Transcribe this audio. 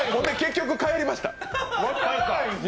結局、帰りました。